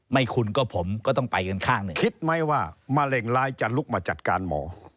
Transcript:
ไม่คุณก็ผมก็ต้องไปกันข้างหนึ่ง